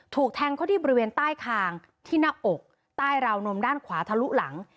ถูกแทงเขาที่บริเวณใต้คางที่หน้าอกใต้ราวนมด้านขวาทะลุหลัง